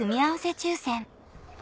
抽選